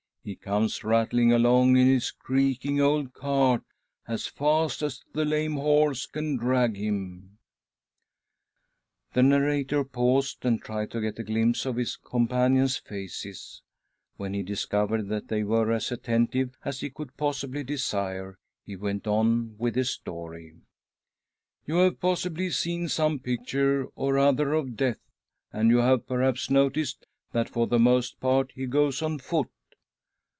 He comes rattling along in his creaking old cart, as fast as the lame horse can drag him/' The narrator paused, and; tried to get a glimpse of his companions' faces. When he discovered that they were as attentive as he could possibly desire he, went on with his story. " You haVe possibly seen some picture or other of Death, and you have perhaps noticed that, for the most part, he goes on foot.